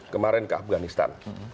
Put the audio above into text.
kemarin ke afganistan